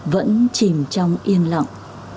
vẫn chìm trong yên lặng